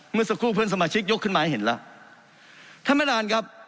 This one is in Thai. เมื่อสักครู่เพื่อนสมาชิกยกขึ้นมาให้เห็นแล้วท่านประธานครับ